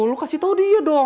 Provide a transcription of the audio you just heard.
lu kasih tau dia dong